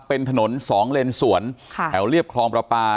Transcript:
เป็นถนนสองเลนสวนแถวเรียบคลองประปา